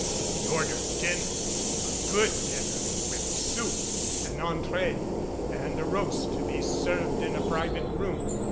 He ordered dinner, a good dinner, with soup, an entree and a roast to be served in a private room.